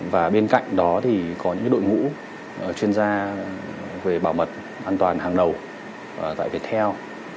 và bên cạnh đó thì có những đội ngũ chuyên gia về bảo mật an toàn hàng đầu tại việt theo